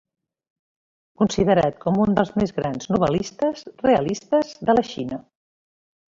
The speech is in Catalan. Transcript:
Considerat com un dels més grans novel·listes realistes de la Xina.